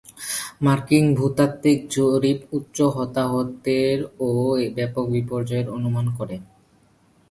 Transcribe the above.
মার্কিন ভূতাত্ত্বিক জরিপ "উচ্চ হতাহতের" ও ব্যাপক বিপর্যয়ের অনুমান করে।